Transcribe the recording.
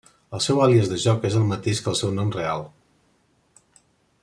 El seu àlies de joc és el mateix que el seu nom real.